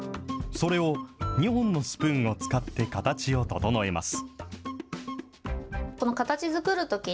それを、２本のスプーンを使って形を整えます。